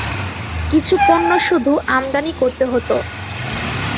কিছু পণ্য শুধু আমদানি করতে হতো।